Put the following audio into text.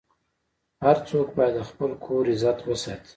هر څوک باید د خپل کور عزت وساتي.